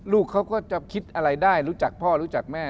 ลูกเขาก็จะคิดอะไรได้รู้จักพ่อรู้จักแม่